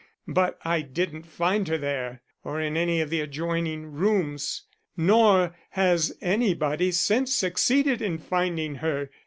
But I didn't find her there or in any of the adjoining rooms. Nor has anybody since succeeded in finding her.